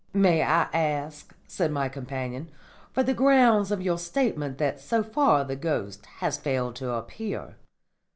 "May I ask," said my companion, "for the grounds of your statement that so far the ghost has failed to appear?"